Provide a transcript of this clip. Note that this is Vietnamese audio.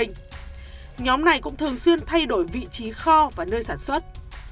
nhóm này cũng thường xuyên thay đổi vị trí kho và nơi sản xuất